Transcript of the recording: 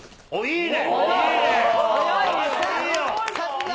いいね。